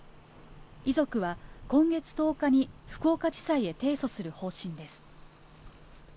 遺族は、今月１０日に福岡地裁へ提訴する方針です。